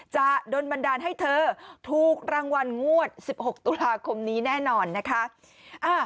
จะโดนบันดาลให้เธอถูกรางวัลงวด๑๖ตุลาคมนี้แน่นอนนะคะ